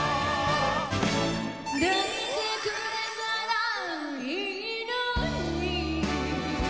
「抱いてくれたらいいのに」